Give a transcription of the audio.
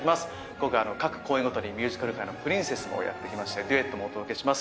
今回、各公演ごとにミュージカル界のプリンセスもやって来まして、デュエットもやります。